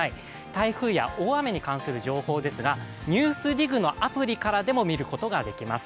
台風や大雨に関する情報ですがＮＥＷＳＤＩＧのアプリからも見ることができます。